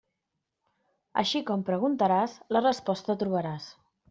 Així com preguntaràs, la resposta trobaràs.